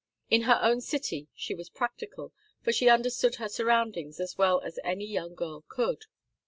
In her own city she was practical, for she understood her surroundings as well as any young girl could.